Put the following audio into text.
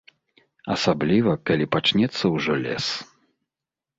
Асабліва калі пачнецца ўжо лес.